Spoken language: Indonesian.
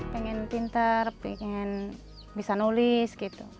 pengen pinter pengen bisa nulis gitu